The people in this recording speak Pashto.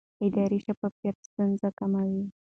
اداري شفافیت ستونزې کموي